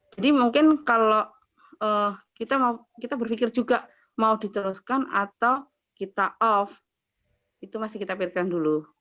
jadi mungkin kalau kita berpikir juga mau diteruskan atau kita off itu masih kita pilihkan dulu